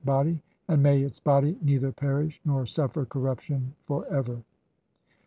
"body ; and may its body neither perish nor suffer corruption "for ever."